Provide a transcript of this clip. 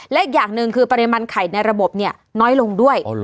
และอีกอย่างหนึ่งคือปริมาณไข่ในระบบเนี่ยน้อยลงด้วย